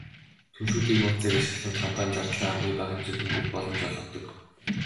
Түншүүдийн нууцыг ашиглах нь компани зардлаа хамгийн бага хэмжээнд хүргэх боломж олгодог.